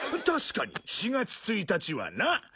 確かに４月１日はな。